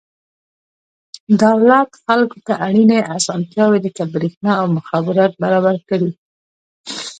دولت خلکو ته اړینې اسانتیاوې لکه برېښنا او مخابرات برابر کړي.